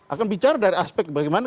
akan bicara dari aspek bagaimana